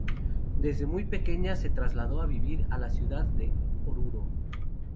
Desde muy pequeña se trasladó a vivir a la ciudad de Oruro.